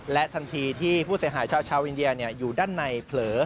และทันทีที่ผู้เสียหายชาวอินเดียอยู่ด้านในเผลอ